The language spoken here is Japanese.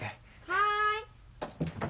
・はい。